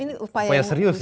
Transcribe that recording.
ini upaya yang serius